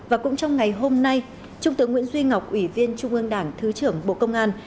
và cũng trong ngày hôm nay trung tướng nguyễn duy ngọc ủy viên trung ương đảng thứ trưởng bộ công an